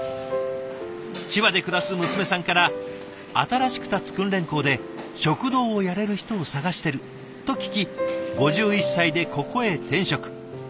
千葉で暮らす娘さんから新しく建つ訓練校で食堂をやれる人を探してると聞き５１歳でここへ転職。